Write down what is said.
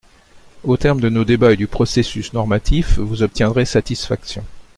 Au terme de nos débats et du processus normatif, vous obtiendrez satisfaction.